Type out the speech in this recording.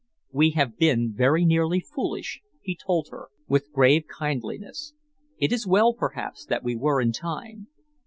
"We have been very nearly foolish," he told her, with grave kindliness. "It is well, perhaps, that we were in time.